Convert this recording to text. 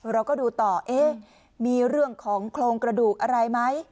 เราก็ดูต่อเอ๊ะมีเรื่องของโครงกระดูกอะไรไหม